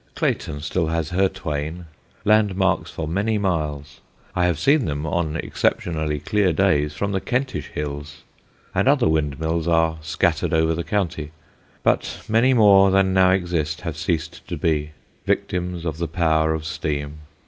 Clayton still has her twain, landmarks for many miles I have seen them on exceptionally clear days from the Kentish hills and other windmills are scattered over the county; but many more than now exist have ceased to be, victims of the power of steam.